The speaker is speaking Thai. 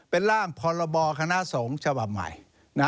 เป็นร่างพรบคณะสงฆ์ฉบับใหม่